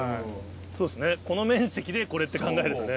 そうですねこの面積でこれって考えるとね。